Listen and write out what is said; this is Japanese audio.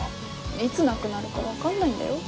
いつなくなるか分かんないんだよ？